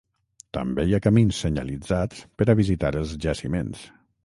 També hi ha camins senyalitzats per a visitar els jaciments.